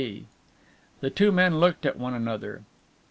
D." The two men looked at one another.